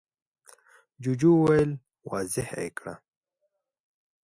جوجو وويل: واضح يې کړه!